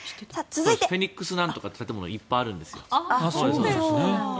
フェニックスなんとかっていう建物がいっぱいあるんですよ。